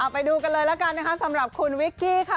ไปดูกันเลยแล้วกันนะคะสำหรับคุณวิกกี้ค่ะ